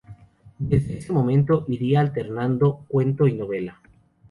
Desde ese momento iría alternando cuento y novela.